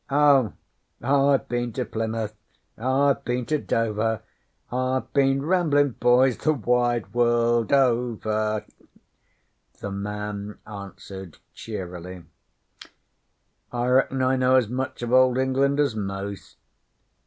'Oh, I've bin to Plymouth, I've bin to Dover I've bin ramblin', boys, the wide world over,' the man answered cheerily. 'I reckon I know as much of Old England as most.'